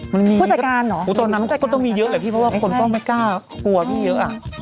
ผู้จัดการเหรอตอนนั้นก็ต้องมีเยอะแหละพี่เพราะว่าคนก็ไม่กล้ากลัวพี่เยอะอ่ะ